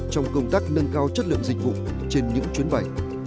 trong công tác nâng cao chất lượng dịch vụ trên những chuyến bay